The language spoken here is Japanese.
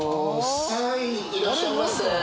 はーいいらっしゃいませ。